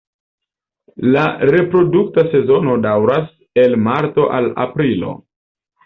La reprodukta sezono daŭras el marto al aprilo.